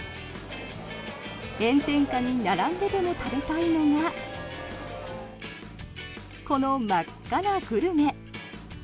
炎天下に並んででも食べたいのがこの真っ赤なグルメ。